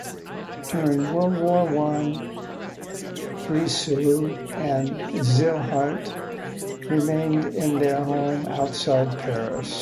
During World War One, Breslau and Zillhardt remained at their home outside Paris.